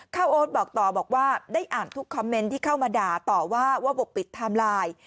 โอ๊ตบอกต่อบอกว่าได้อ่านทุกคอมเมนต์ที่เข้ามาด่าต่อว่าว่าปกปิดไทม์ไลน์